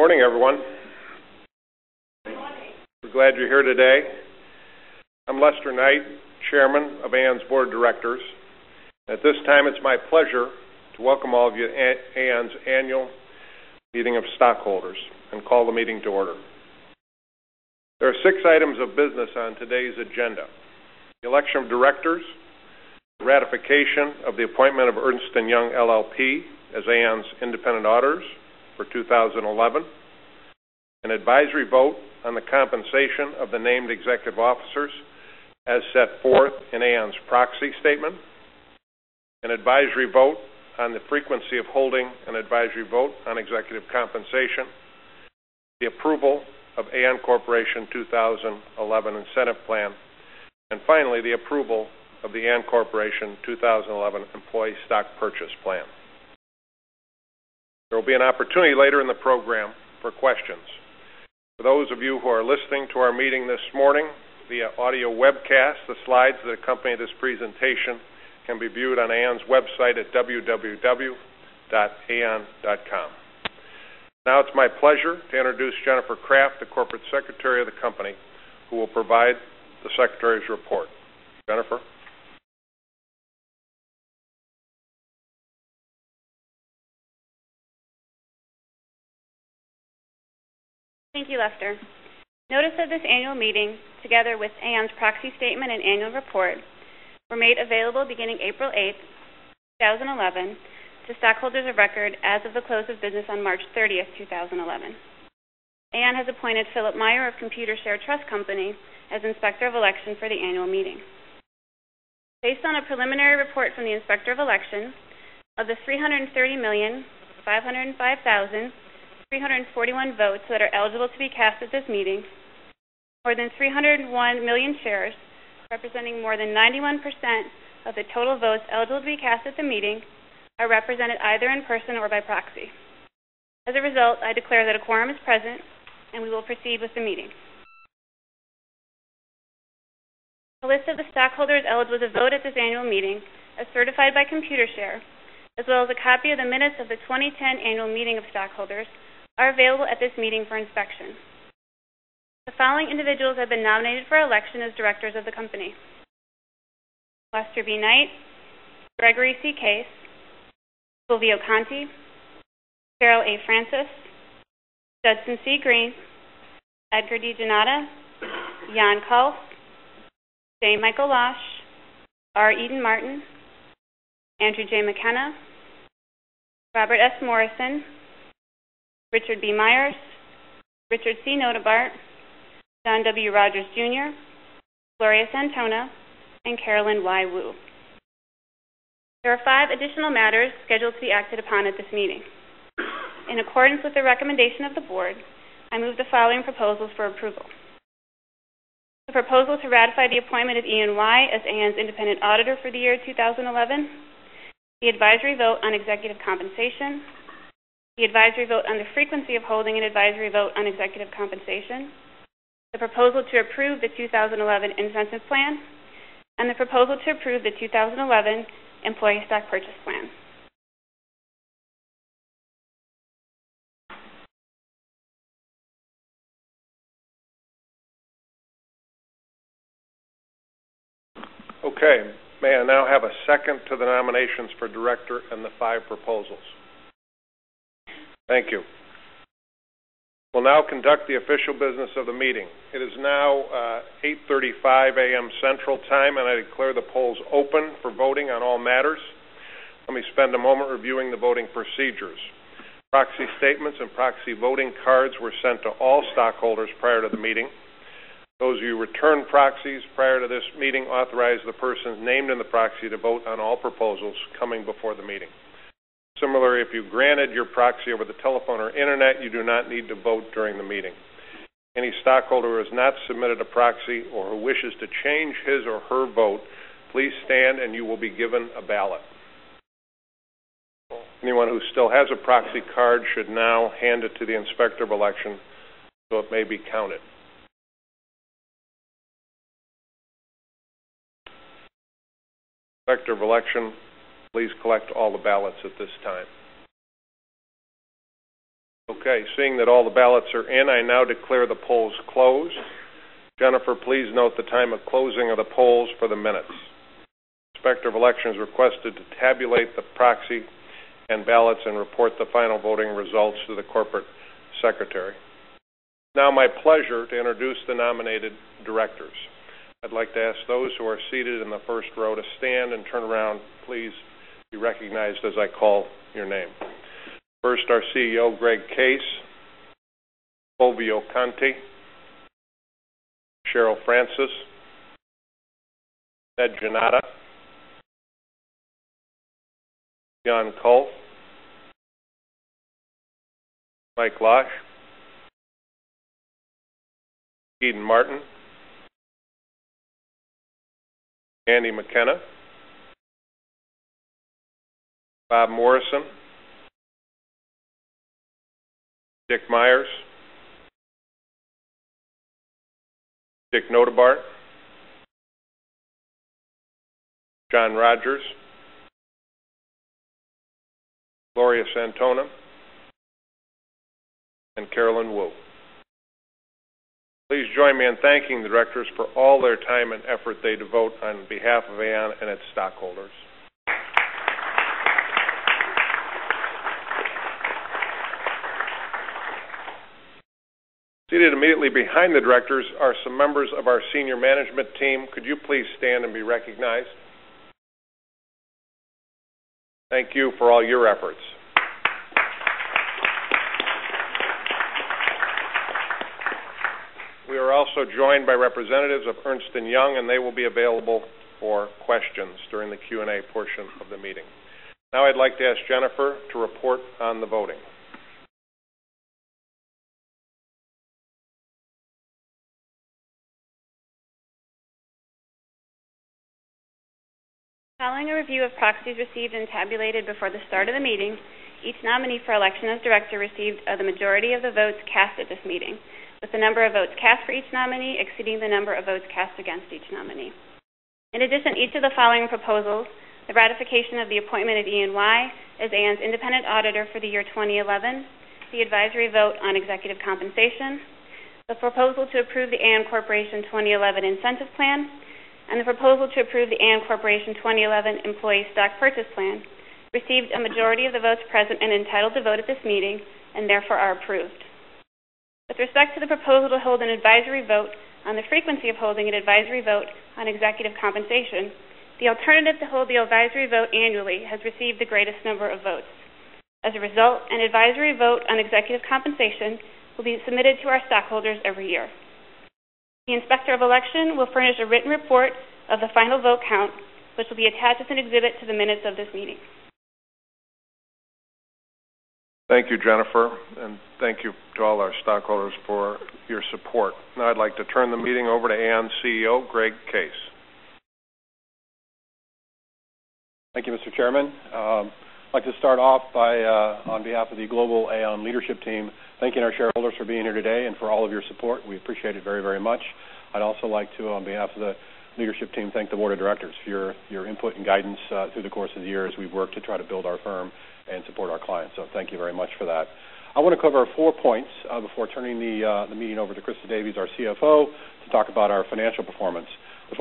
Morning, everyone. Morning. We're glad you're here today. I'm Lester Knight, chairman of Aon's board of directors. At this time, it's my pleasure to welcome all of you to Aon's annual meeting of stockholders and call the meeting to order. There are six items of business on today's agenda: the election of directors, the ratification of the appointment of Ernst & Young LLP as Aon's independent auditors for 2011, an advisory vote on the compensation of the named executive officers as set forth in Aon's proxy statement, an advisory vote on the frequency of holding an advisory vote on executive compensation, the approval of Aon Corporation 2011 Incentive Plan, and finally, the approval of the Aon Corporation 2011 Employee Stock Purchase Plan. There will be an opportunity later in the program for questions. For those of you who are listening to our meeting this morning via audio webcast, the slides that accompany this presentation can be viewed on Aon's website at www.aon.com. Now it's my pleasure to introduce Jennifer Kraft, the corporate secretary of the company, who will provide the secretary's report. Jennifer? Thank you, Lester. Notice of this annual meeting, together with Aon's proxy statement and annual report, were made available beginning April 8th, 2011, to stockholders of record as of the close of business on March 30th, 2011. Aon has appointed Philip Meyer of Computershare Trust Company as Inspector of Election for the annual meeting. Based on a preliminary report from the Inspector of Election, of the 330,505,341 votes that are eligible to be cast at this meeting, more than 301 million shares, representing more than 91% of the total votes eligible to be cast at the meeting, are represented either in person or by proxy. As a result, I declare that a quorum is present, and we will proceed with the meeting. A list of the stockholders eligible to vote at this annual meeting, as certified by Computershare, as well as a copy of the minutes of the 2010 annual meeting of stockholders are available at this meeting for inspection. The following individuals have been nominated for election as directors of the company: Lester B. Knight, Gregory C. Case, Fulvio Conti, Cheryl A. Francis, Justin C. Green, Edgar D. Jannotta, Jan Kalff, J. Michael Losh, R. Eden Martin, Andrew J. McKenna, Robert S. Morrison, Richard B. Myers, Richard C. Notebaert, John W. Rogers Jr., Gloria Santona, and Carolyn Y. Woo. There are five additional matters scheduled to be acted upon at this meeting. In accordance with the recommendation of the board, I move the following proposals for approval: the proposal to ratify the appointment of EY as Aon's independent auditor for the year 2011, the advisory vote on executive compensation, the advisory vote on the frequency of holding an advisory vote on executive compensation, the proposal to approve the 2011 Incentive Plan, and the proposal to approve the 2011 Employee Stock Purchase Plan. Okay. May I now have a second to the nominations for director and the five proposals? Thank you. We'll now conduct the official business of the meeting. It is now 8:35 A.M. Central Time, and I declare the polls open for voting on all matters. Let me spend a moment reviewing the voting procedures. Proxy statements and proxy voting cards were sent to all stockholders prior to the meeting. Those of you who returned proxies prior to this meeting authorized the persons named in the proxy to vote on all proposals coming before the meeting. Similarly, if you granted your proxy over the telephone or internet, you do not need to vote during the meeting. Any stockholder who has not submitted a proxy or who wishes to change his or her vote, please stand, and you will be given a ballot. Anyone who still has a proxy card should now hand it to the Inspector of Election so it may be counted. Inspector of Election, please collect all the ballots at this time. Okay, seeing that all the ballots are in, I now declare the polls closed. Jennifer, please note the time of closing of the polls for the minutes. Inspector of Election is requested to tabulate the proxy and ballots and report the final voting results to the corporate secretary. It's now my pleasure to introduce the nominated directors. I'd like to ask those who are seated in the first row to stand and turn around, please, to be recognized as I call your name. First, our CEO, Greg Case. Fulvio Conti. Cheryl Francis. Ed Jannotta. Jan Kalff. Mike Losh. Eden Martin. Andy McKenna. Bob Morrison. Dick Myers. Dick Notebaert, John Rogers, Gloria Santona, and Carolyn Woo. Please join me in thanking the directors for all their time and effort they devote on behalf of Aon and its stockholders. Seated immediately behind the directors are some members of our senior management team. Could you please stand and be recognized? Thank you for all your efforts. We are also joined by representatives of Ernst & Young, and they will be available for questions during the Q&A portion of the meeting. I'd like to ask Jennifer to report on the voting. Following a review of proxies received and tabulated before the start of the meeting, each nominee for election as director received the majority of the votes cast at this meeting, with the number of votes cast for each nominee exceeding the number of votes cast against each nominee. Each of the following proposals, the ratification of the appointment of E&Y as Aon's independent auditor for the year 2011, the advisory vote on executive compensation, the proposal to approve the Aon Corporation 2011 Incentive Plan, and the proposal to approve the Aon Corporation 2011 Employee Stock Purchase Plan, received a majority of the votes present and entitled to vote at this meeting and therefore are approved. With respect to the proposal to hold an advisory vote on the frequency of holding an advisory vote on executive compensation, the alternative to hold the advisory vote annually has received the greatest number of votes. An advisory vote on executive compensation will be submitted to our stockholders every year. The Inspector of Election will furnish a written report of the final vote count, which will be attached as an exhibit to the minutes of this meeting. Thank you, Jennifer, and thank you to all our stockholders for your support. I'd like to turn the meeting over to Aon CEO, Greg Case. Thank you, Mr. Chairman. I'd like to start off by, on behalf of the global Aon leadership team, thanking our shareholders for being here today and for all of your support. We appreciate it very much. I'd also like to, on behalf of the leadership team, thank the Board of Directors for your input and guidance through the course of the year as we've worked to try to build our firm and support our clients. Thank you very much for that. I want to cover four points before turning the meeting over to Christa Davies, our CFO, to talk about our financial performance. The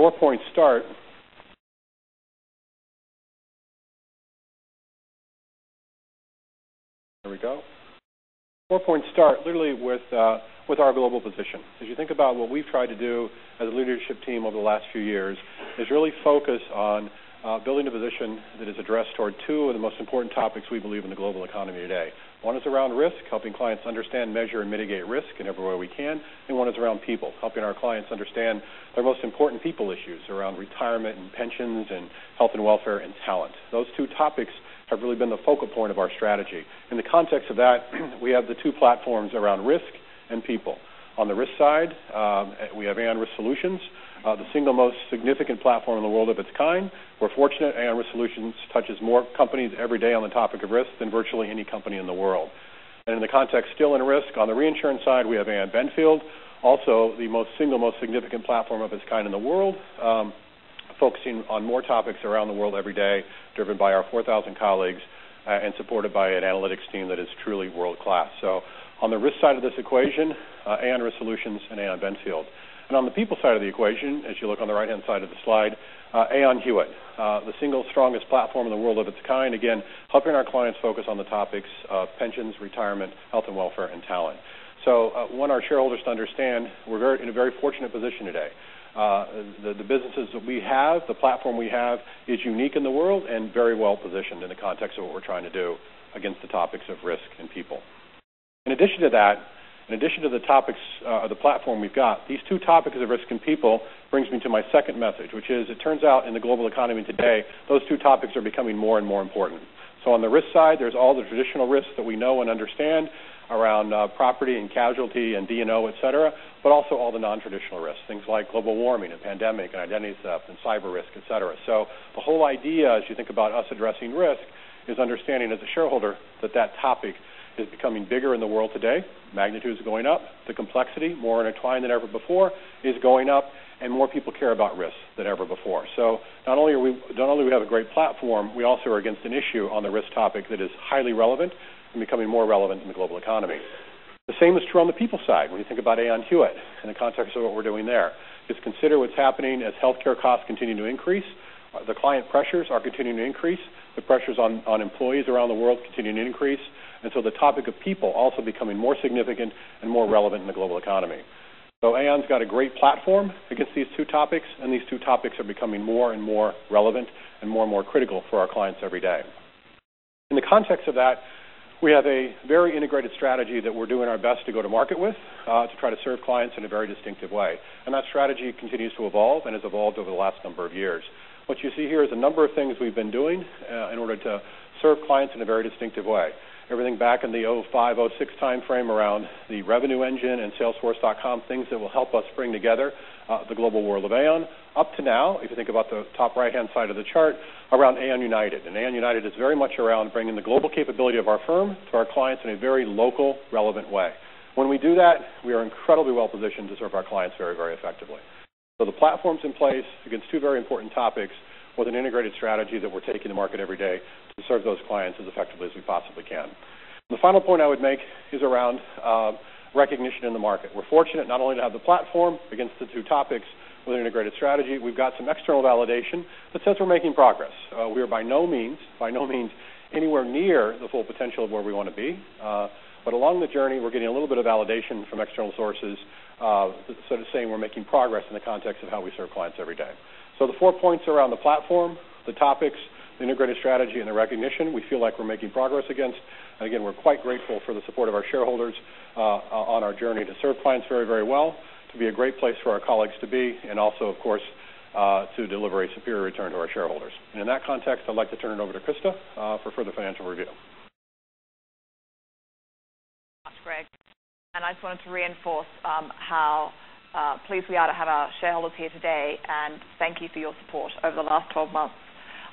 four points start literally with our global position. As you think about what we've tried to do as a leadership team over the last few years is really focus on building a position that is addressed toward two of the most important topics we believe in the global economy today. One is around risk, helping clients understand, measure, and mitigate risk in every way we can. One is around people, helping our clients understand their most important people issues around retirement and pensions and health and welfare and talent. Those two topics have really been the focal point of our strategy. In the context of that, we have the two platforms around risk and people. On the risk side, we have Aon Risk Solutions, the single most significant platform in the world of its kind. We're fortunate Aon Risk Solutions touches more companies every day on the topic of risk than virtually any company in the world. In the context still in risk, on the reinsurance side, we have Aon Benfield, also the single most significant platform of its kind in the world, focusing on more topics around the world every day, driven by our 4,000 colleagues and supported by an analytics team that is truly world-class. On the risk side of this equation, Aon Risk Solutions and Aon Benfield. On the people side of the equation, as you look on the right-hand side of the slide, Aon Hewitt, the single strongest platform in the world of its kind, again, helping our clients focus on the topics of pensions, retirement, health and welfare, and talent. I want our shareholders to understand we're in a very fortunate position today. The businesses that we have, the platform we have is unique in the world and very well-positioned in the context of what we're trying to do against the topics of risk and people. In addition to that, in addition to the topics of the platform we've got, these two topics of risk and people brings me to my second message, which is it turns out in the global economy today, those two topics are becoming more and more important. On the risk side, there's all the traditional risks that we know and understand around property and casualty and D&O, et cetera, but also all the non-traditional risks, things like global warming and pandemic and identity theft and cyber risk, et cetera. The whole idea, as you think about us addressing risk, is understanding as a shareholder that that topic is becoming bigger in the world today. Magnitude is going up. The complexity, more intertwined than ever before, is going up, and more people care about risk than ever before. Not only do we have a great platform, we also are against an issue on the risk topic that is highly relevant and becoming more relevant in the global economy. The same is true on the people side when you think about Aon Hewitt and the context of what we're doing there, is consider what's happening as healthcare costs continue to increase. The client pressures are continuing to increase. The pressures on employees around the world continue to increase. The topic of people also becoming more significant and more relevant in the global economy. Aon's got a great platform against these two topics, and these two topics are becoming more and more relevant and more and more critical for our clients every day. In the context of that, we have a very integrated strategy that we're doing our best to go to market with to try to serve clients in a very distinctive way. That strategy continues to evolve and has evolved over the last number of years. What you see here is a number of things we've been doing in order to serve clients in a very distinctive way. Everything back in the 2005, 2006 timeframe around the revenue engine and Salesforce.com, things that will help us bring together the global world of Aon up to now, if you think about the top right-hand side of the chart, around Aon United. Aon United is very much around bringing the global capability of our firm to our clients in a very local, relevant way. When we do that, we are incredibly well-positioned to serve our clients very effectively. The platform's in place against two very important topics with an integrated strategy that we're taking to market every day to serve those clients as effectively as we possibly can. The final point I would make is around recognition in the market. We're fortunate not only to have the platform against the two topics with an integrated strategy. We've got some external validation that says we're making progress. We are by no means anywhere near the full potential of where we want to be. Along the journey, we're getting a little bit of validation from external sources sort of saying we're making progress in the context of how we serve clients every day. The four points around the platform, the topics, the integrated strategy, and the recognition we feel like we're making progress against. Again, we're quite grateful for the support of our shareholders on our journey to serve clients very well, to be a great place for our colleagues to be, and also, of course, to deliver a superior return to our shareholders. In that context, I'd like to turn it over to Christa for further financial review. Thanks so much, Greg. I just wanted to reinforce how pleased we are to have our shareholders here today and thank you for your support over the last 12 months.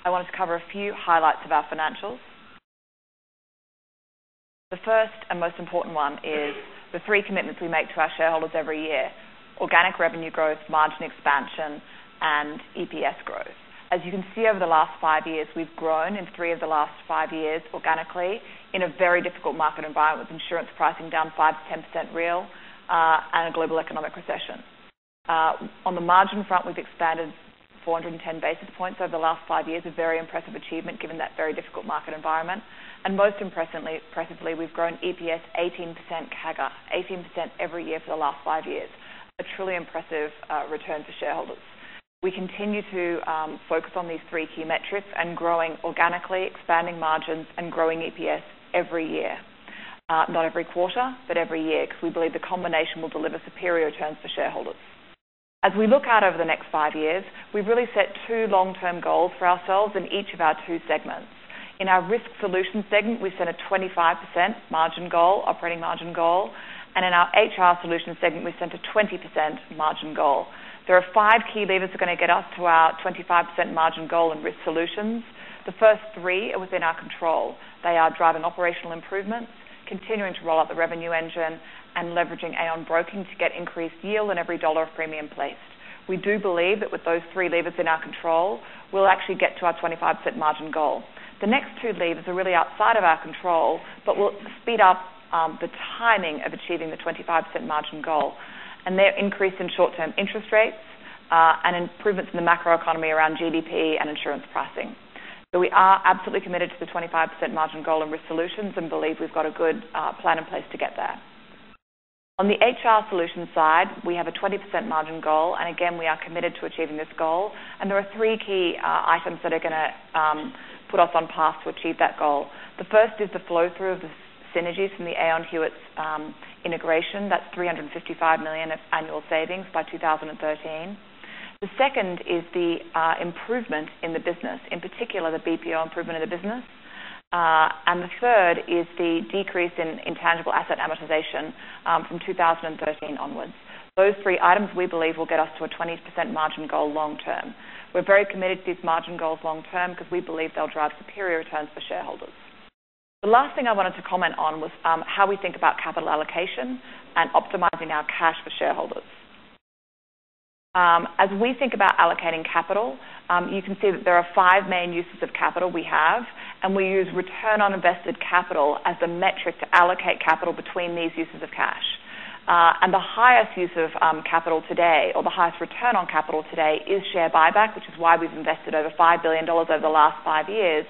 I wanted to cover a few highlights of our financials. The first and most important one is the three commitments we make to our shareholders every year, organic revenue growth, margin expansion, and EPS growth. As you can see, over the last five years, we've grown in three of the last five years organically in a very difficult market environment with insurance pricing down 5%-10% real and a global economic recession. On the margin front, we've expanded 410 basis points over the last five years, a very impressive achievement given that very difficult market environment. Most impressively, we've grown EPS 18% CAGR, 18% every year for the last five years. A truly impressive return to shareholders. We continue to focus on these three key metrics and growing organically, expanding margins, and growing EPS every year. Not every quarter, but every year because we believe the combination will deliver superior returns for shareholders. As we look out over the next five years, we've really set two long-term goals for ourselves in each of our two segments. In our Risk Solutions segment, we set a 25% margin goal, operating margin goal, and in our HR Solutions segment, we set a 20% margin goal. There are five key levers that are going to get us to our 25% margin goal in Risk Solutions. The first three are within our control. They are driving operational improvements, continuing to roll out the revenue engine, and leveraging Aon Broking to get increased yield on every dollar of premium placed. We do believe that with those three levers in our control, we'll actually get to our 25% margin goal. The next two levers are really outside of our control, but will speed up the timing of achieving the 25% margin goal. They're increase in short-term interest rates, and improvements in the macroeconomy around GDP and insurance pricing. We are absolutely committed to the 25% margin goal in Risk Solutions and believe we've got a good plan in place to get there. On the HR Solutions side, we have a 20% margin goal. Again, we are committed to achieving this goal. There are three key items that are going to put us on path to achieve that goal. The first is the flow-through of the synergies from the Aon Hewitt's integration. That's $355 million of annual savings by 2013. The second is the improvement in the business, in particular, the BPO improvement of the business. The third is the decrease in intangible asset amortization from 2013 onwards. Those three items we believe will get us to a 20% margin goal long term. We're very committed to these margin goals long term because we believe they'll drive superior returns for shareholders. The last thing I wanted to comment on was how we think about capital allocation and optimizing our cash for shareholders. As we think about allocating capital, you can see that there are five main uses of capital we have, and we use return on invested capital as the metric to allocate capital between these uses of cash. The highest use of capital today or the highest return on capital today is share buyback, which is why we've invested over $5 billion over the last five years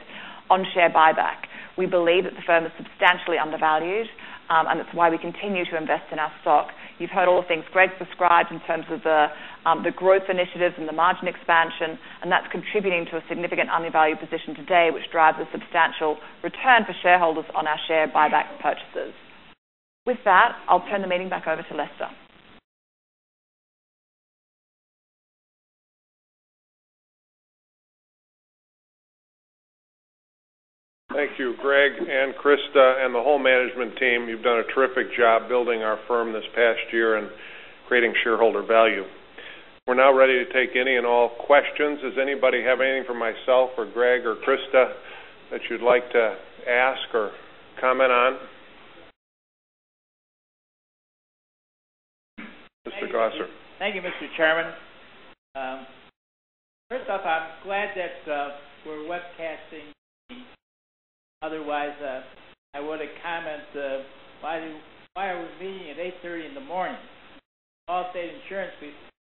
on share buyback. We believe that the firm is substantially undervalued, and it's why we continue to invest in our stock. You've heard all the things Greg described in terms of the growth initiatives and the margin expansion, and that's contributing to a significant undervalue position today, which drives a substantial return for shareholders on our share buyback purchases. With that, I'll turn the meeting back over to Lester. Thank you, Greg and Christa and the whole management team. You've done a terrific job building our firm this past year and creating shareholder value. We're now ready to take any and all questions. Does anybody have anything for myself or Greg or Christa that you'd like to ask or comment on? Mr. Grosser. Thank you, Mr. Chairman. First off, I'm glad that we're webcasting. Otherwise, I would have commented why are we meeting at 8:30 in the morning? Allstate Insurance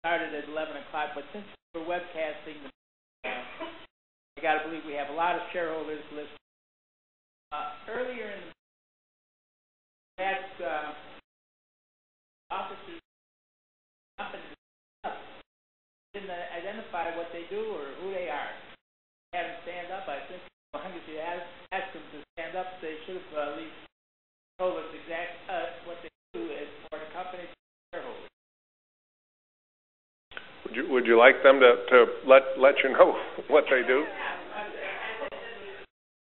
started at 11 o'clock. Since we're webcasting, I got to believe we have a lot of shareholders listening. Earlier in the meeting, you asked officers of the company to stand up. They didn't identify what they do or who they are. If you had them stand up, I think you owe them an apology. If you asked them to stand up, they should have at least told us exactly what they do for the company and the shareholders. Would you like them to let you know what they do? I think if we're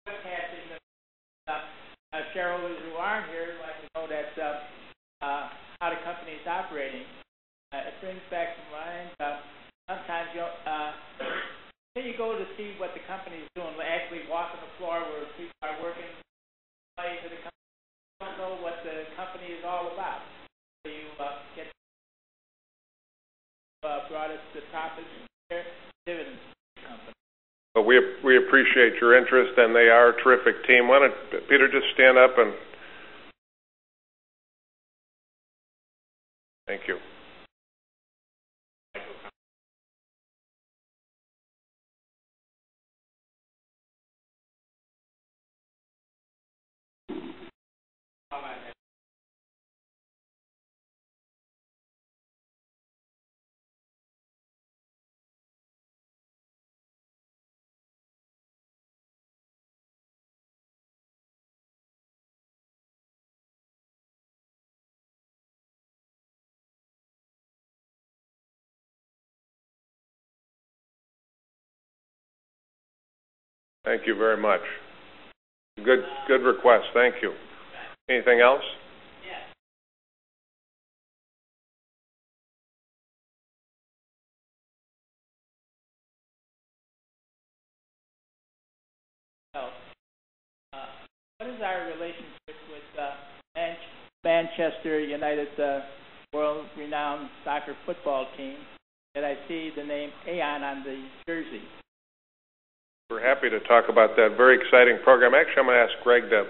webcasting, the shareholders who aren't here would like to know how the company is operating. It brings back to mind, sometimes you go to see what the company is doing, actually walk on the floor where people are working, the value to the company, know what the company is all about. You get brought us the topic and share dividends company. We appreciate your interest, and they are a terrific team. Why don't, Peter, just stand up. Thank you. Thank you. Thank you very much. Good request. Thank you. Anything else? Yes. What is our relationship with Manchester United, the world-renowned soccer football team, that I see the name Aon on the jersey. We're happy to talk about that very exciting program. Actually, I'm going to ask Greg to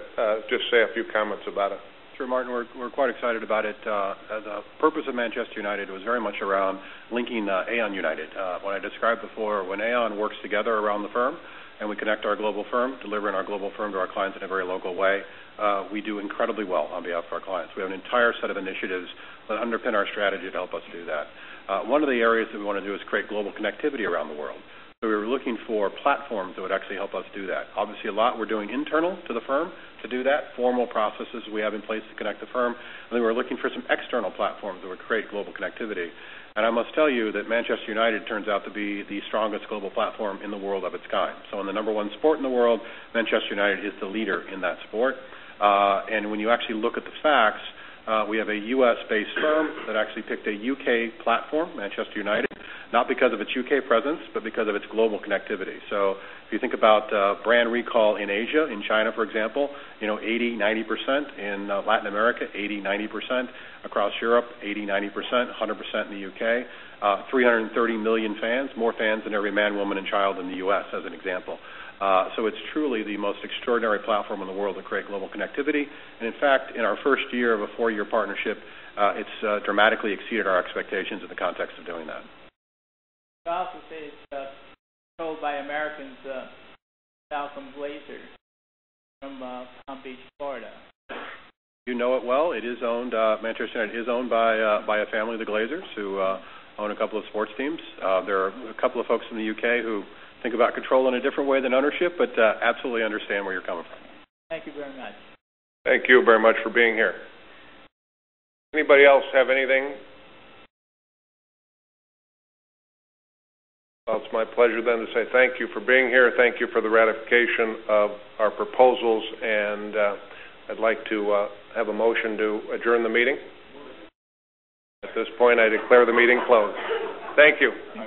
just say a few comments about it. Sure, Martin. We're quite excited about it. The purpose of Manchester United was very much around linking Aon United. What I described before, when Aon works together around the firm, and we connect our global firm, delivering our global firm to our clients in a very local way, we do incredibly well on behalf of our clients. We have an entire set of initiatives that underpin our strategy to help us do that. One of the areas that we want to do is create global connectivity around the world. We were looking for platforms that would actually help us do that. Obviously, a lot we're doing internal to the firm to do that, formal processes we have in place to connect the firm. We're looking for some external platforms that would create global connectivity. I must tell you that Manchester United turns out to be the strongest global platform in the world of its kind. In the number one sport in the world, Manchester United is the leader in that sport. When you actually look at the facts, we have a U.S.-based firm that actually picked a U.K. platform, Manchester United, not because of its U.K. presence, but because of its global connectivity. If you think about brand recall in Asia, in China, for example, 80%, 90%, in Latin America, 80%, 90%, across Europe, 80%, 90%, 100% in the U.K. 330 million fans, more fans than every man, woman, and child in the U.S., as an example. It's truly the most extraordinary platform in the world to create global connectivity. In fact, in our first year of a four-year partnership, it's dramatically exceeded our expectations in the context of doing that. I also say it's controlled by Americans, Malcolm Glazer from Palm Beach, Florida. You know it well. Manchester United is owned by a family, the Glazers, who own a couple of sports teams. There are a couple of folks in the U.K. who think about control in a different way than ownership, but absolutely understand where you're coming from. Thank you very much. Thank you very much for being here. Anybody else have anything? It's my pleasure then to say thank you for being here. Thank you for the ratification of our proposals. I'd like to have a motion to adjourn the meeting. Moved. At this point, I declare the meeting closed. Thank you.